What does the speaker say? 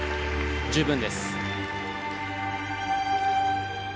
十分です。